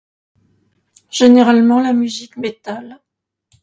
Généralement la musique Métal.